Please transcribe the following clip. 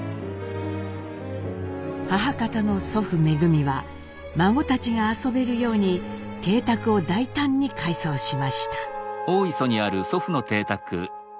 母方の祖父恩は孫たちが遊べるように邸宅を大胆に改装しました。